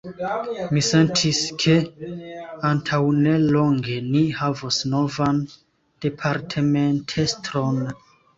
Mi sentis ke, antaŭnelonge, ni havos novan departementestron.